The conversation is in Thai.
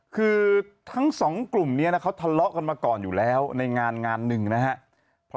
คือทั้ง๒กลุ่มนี้เค้าทะเลาะกันมาก่อนอยู่แล้วในงานนึงนะครับ